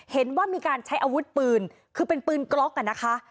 เห็นว่ามีการใช้อาวุธปืนคือเป็นปืนกล็อกอ่ะนะคะ